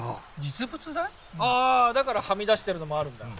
あだからはみ出しているのもあるんだ。